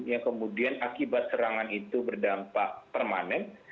yang kemudian akibat serangan itu berdampak permanen